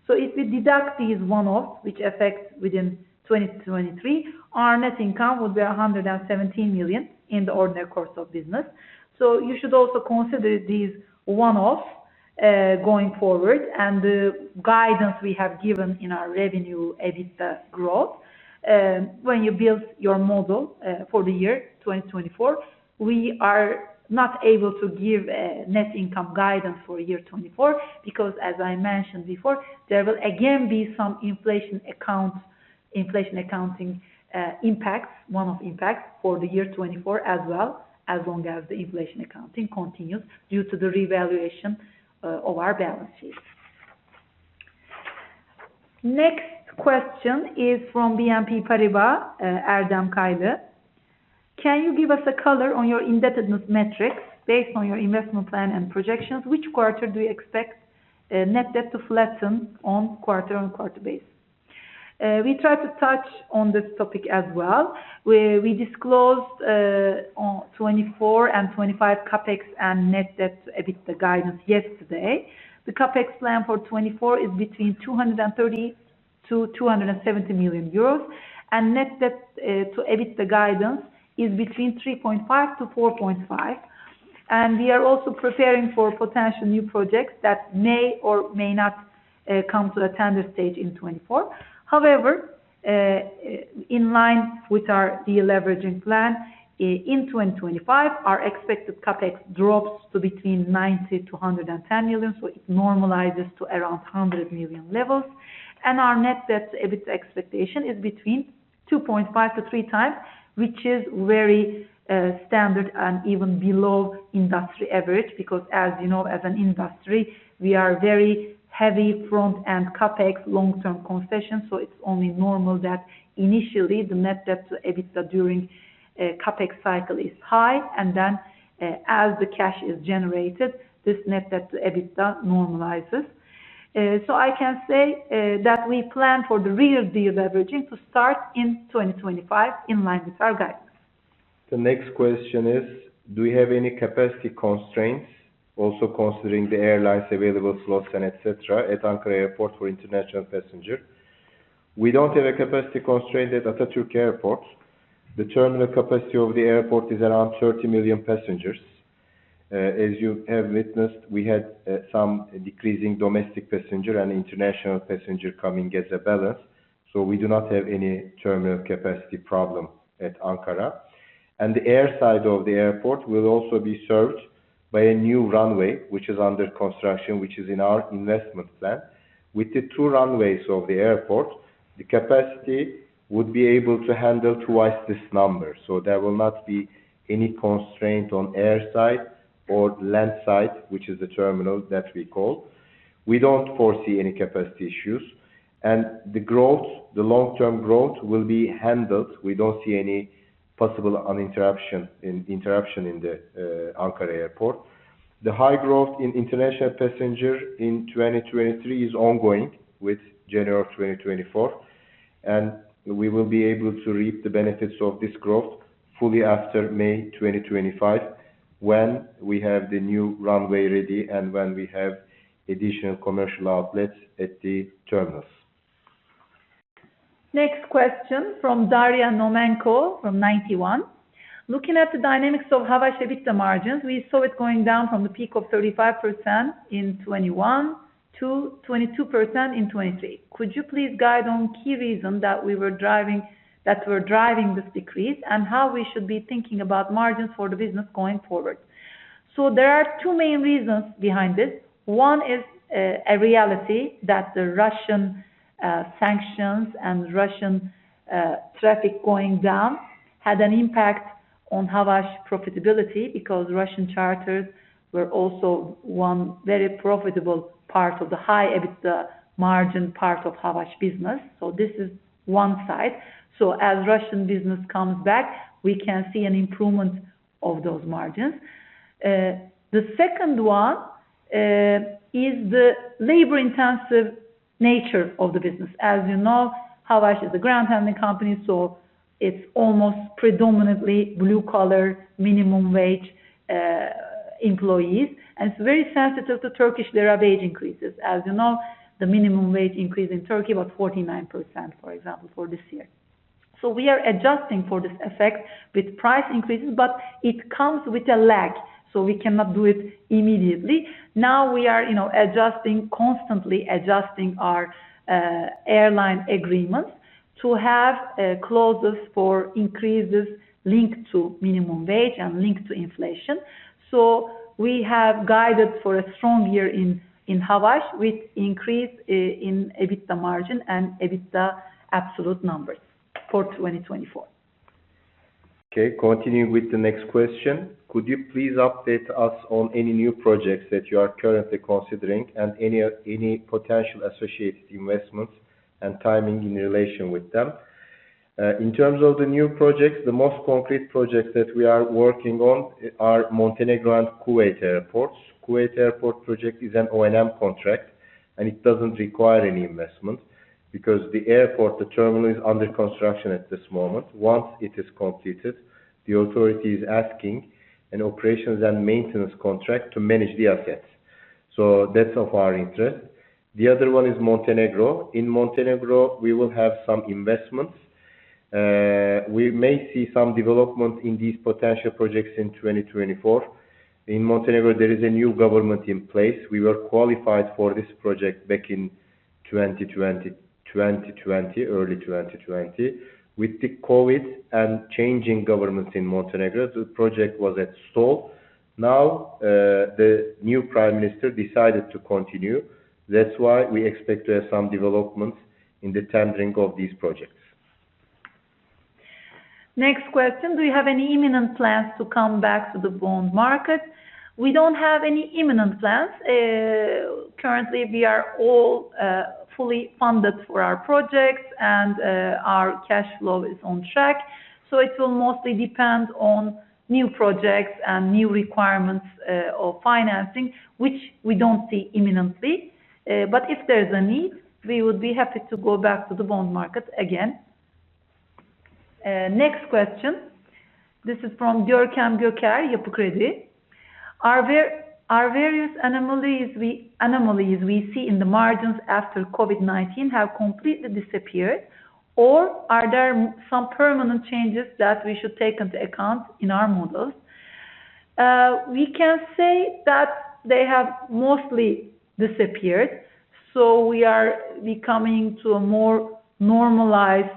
So if we deduct these one-offs, which affect within 2023, our net income would be 117 million in the ordinary course of business. So you should also consider these one-offs going forward and the guidance we have given in our revenue EBITDA growth. When you build your model for the year 2024, we are not able to give net income guidance for year 2024 because, as I mentioned before, there will again be some inflation accounting impacts, one-off impacts for the year 2024 as well, as long as the inflation accounting continues due to the revaluation of our balance sheet. Next question is from BNP Paribas, Erdem Kaylı. Can you give us a color on your indebtedness metrics based on your investment plan and projections? Which quarter do you expect net debt to flatten on quarter-on-quarter basis? We tried to touch on this topic as well. We disclosed on 2024 and 2025 CapEx and net debt to EBITDA guidance yesterday. The CapEx plan for 2024 is between 230 million-270 million euros, and net debt to EBITDA guidance is between 3.5-4.5. And we are also preparing for potential new projects that may or may not come to a tender stage in 2024. However, in line with our de-leveraging plan, in 2025, our expected CapEx drops to between 90-110 million, so it normalizes to around 100 million levels. And our net debt to EBITDA expectation is between 2.5-3 times, which is very standard and even below industry average because, as you know, as an industry, we are very heavy front-end CapEx long-term concessions. So it's only normal that initially the net debt to EBITDA during CapEx cycle is high, and then as the cash is generated, this net debt to EBITDA normalizes. So I can say that we plan for the real de-leveraging to start in 2025 in line with our guidance. The next question is, do we have any capacity constraints, also considering the airlines' available slots and etc. at Ankara Airport for international passenger? We don't have a capacity constraint at Atatürk Airport. The terminal capacity of the airport is around 30 million passengers. As you have witnessed, we had some decreasing domestic passenger and international passenger coming as a balance, so we do not have any terminal capacity problem at Ankara. The airside of the airport will also be served by a new runway, which is under construction, which is in our investment plan. With the two runways of the airport, the capacity would be able to handle twice this number, so there will not be any constraint on airside or landside, which is the terminal that we call. We don't foresee any capacity issues. The growth, the long-term growth, will be handled. We don't see any possible interruption in the Ankara Airport. The high growth in international passengers in 2023 is ongoing with January 2024, and we will be able to reap the benefits of this growth fully after May 2025 when we have the new runway ready and when we have additional commercial outlets at the terminals. Next question from Daria Naumenko from Ninety One. Looking at the dynamics of Havaş EBITDA margins, we saw it going down from the peak of 35% in 2021 to 22% in 2023. Could you please guide on key reasons that we were driving that were driving this decrease and how we should be thinking about margins for the business going forward? So there are two main reasons behind this. One is, the reality that the Russian sanctions and Russian traffic going down had an impact on Havaş profitability because Russian charters were also one very profitable part of the high EBITDA margin part of Havaş business. So this is one side. So as Russian business comes back, we can see an improvement of those margins. The second one is the labor-intensive nature of the business. As you know, Havaş is a ground handling company, so it's almost predominantly blue-collar, minimum wage employees. It's very sensitive to Turkish lira wage increases. As you know, the minimum wage increase in Turkey was 49%, for example, for this year. So we are adjusting for this effect with price increases, but it comes with a lag, so we cannot do it immediately. Now we are, you know, adjusting, constantly adjusting our, airline agreements to have, clauses for increases linked to minimum wage and linked to inflation. So we have guided for a strong year in Havaş with increase in EBITDA margin and EBITDA absolute numbers for 2024. Okay. Continuing with the next question. Could you please update us on any new projects that you are currently considering and any, any potential associated investments and timing in relation with them? In terms of the new projects, the most concrete projects that we are working on are Montenegro and Kuwait airports. Kuwait airport project is an O&M contract, and it doesn't require any investment because the airport, the terminal, is under construction at this moment. Once it is completed, the authority is asking an operations and maintenance contract to manage the assets. So that's of our interest. The other one is Montenegro. In Montenegro, we will have some investments. We may see some development in these potential projects in 2024. In Montenegro, there is a new government in place. We were qualified for this project back in 2020, early 2020. With the COVID and changing governments in Montenegro, the project was at stall. Now, the new Prime Minister decided to continue. That's why we expect to have some developments in the tendering of these projects. Next question. Do you have any imminent plans to come back to the bond market? We don't have any imminent plans. Currently, we are all fully funded for our projects, and our cash flow is on track. So it will mostly depend on new projects and new requirements of financing, which we don't see imminently. But if there's a need, we would be happy to go back to the bond market again. Next question. This is from Görkem Göker, Yapı Kredi. Are there various anomalies we see in the margins after COVID-19 have completely disappeared, or are there some permanent changes that we should take into account in our models? We can say that they have mostly disappeared, so we are coming to a more normalized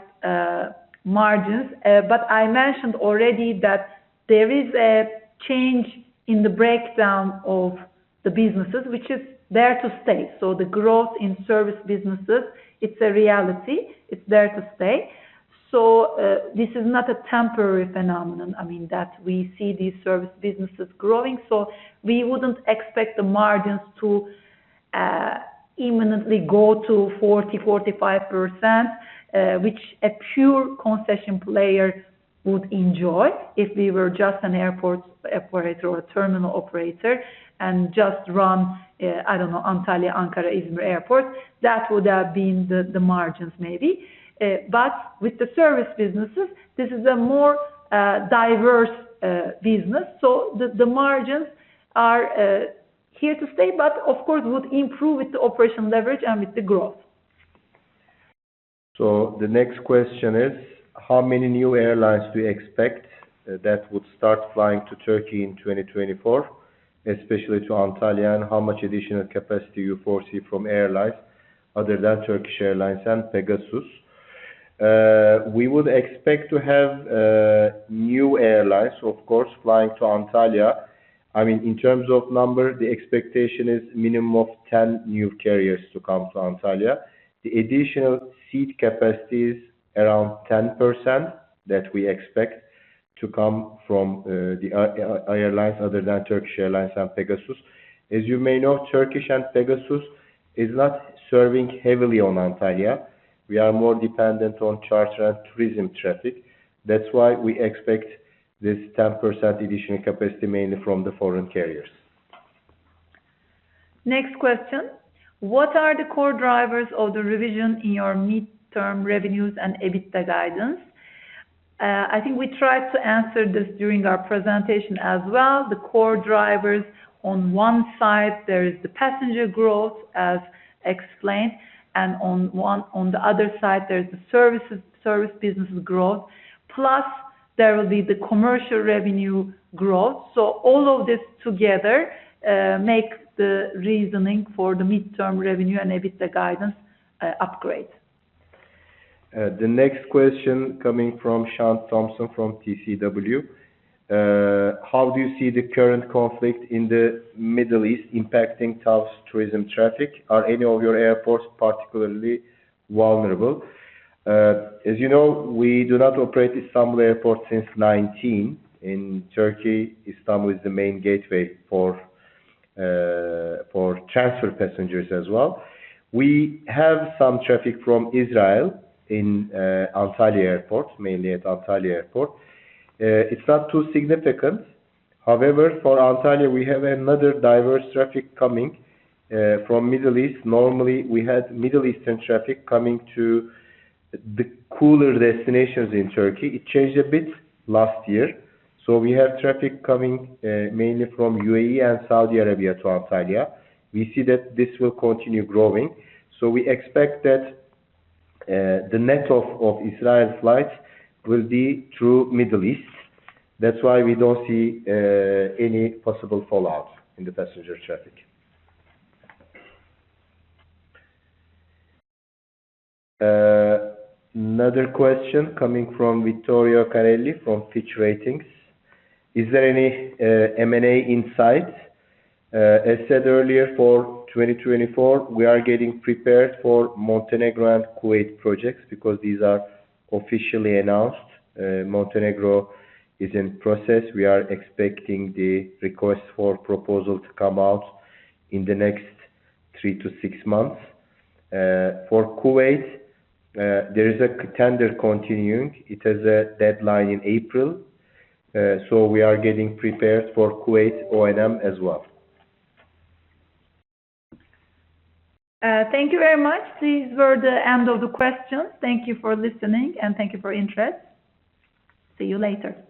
margins. But I mentioned already that there is a change in the breakdown of the businesses, which is there to stay. So the growth in service businesses, it's a reality. It's there to stay. So, this is not a temporary phenomenon. I mean, that we see these service businesses growing. So we wouldn't expect the margins to, imminently go to 40%-45%, which a pure concession player would enjoy if we were just an airport operator or a terminal operator and just run, I don't know, Antalya, Ankara, Izmir airports. That would have been the margins, maybe. But with the service businesses, this is a more, diverse, business. So the margins are, here to stay, but, of course, would improve with the operation leverage and with the growth. So the next question is, how many new airlines do you expect, that would start flying to Turkey in 2024, especially to Antalya, and how much additional capacity you foresee from airlines other than Turkish Airlines and Pegasus? We would expect to have, new airlines, of course, flying to Antalya. I mean, in terms of number, the expectation is minimum of 10 new carriers to come to Antalya. The additional seat capacity is around 10% that we expect to come from, the airlines other than Turkish Airlines and Pegasus. As you may know, Turkish and Pegasus is not serving heavily on Antalya. We are more dependent on charter and tourism traffic. That's why we expect this 10% additional capacity mainly from the foreign carriers. Next question. What are the core drivers of the revision in your mid-term revenues and EBITDA guidance? I think we tried to answer this during our presentation as well. The core drivers, on one side, there is the passenger growth, as explained, and on one on the other side, there's the services service businesses growth. Plus, there will be the commercial revenue growth. So all of this together, make the reasoning for the mid-term revenue and EBITDA guidance, upgrade. The next question coming from Sean Thompson from TCW. How do you see the current conflict in the Middle East impacting TAV's tourism traffic? Are any of your airports particularly vulnerable? As you know, we do not operate Istanbul Airport since 2019. In Turkey, Istanbul is the main gateway for transfer passengers as well. We have some traffic from Israel in Antalya Airport, mainly at Antalya Airport. It's not too significant. However, for Antalya, we have another diverse traffic coming from the Middle East. Normally, we had Middle Eastern traffic coming to the cooler destinations in Turkey. It changed a bit last year. So we have traffic coming mainly from UAE and Saudi Arabia to Antalya. We see that this will continue growing. So we expect that the net of Israel flights will be through the Middle East. That's why we don't see any possible fallout in the passenger traffic. Another question coming from Vittorio Carelli from Fitch Ratings. Is there any M&A insight? As said earlier, for 2024, we are getting prepared for Montenegro and Kuwait projects because these are officially announced. Montenegro is in process. We are expecting the request for proposal to come out in the next three-six months. For Kuwait, there is a tender continuing. It has a deadline in April. So we are getting prepared for Kuwait O&M as well. Thank you very much. These were the end of the questions. Thank you for listening, and thank you for interest. See you later.